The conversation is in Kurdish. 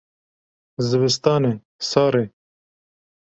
Zivistan e sar e.